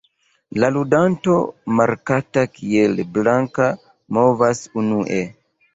La ludanto markata kiel "blanka" movas unue.